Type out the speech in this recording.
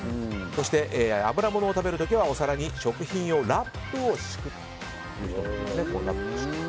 そして油ものを食べる時はお皿に食品用ラップを敷くということです。